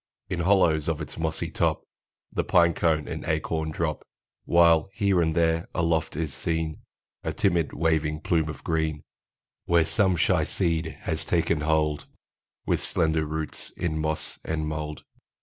In hollows of its mossy top The pine cone and the acorn drop; While, here and there, aloft is seen A timid, waving plume of green, Where some shy seed has taken hold With slender roots in moss and mold.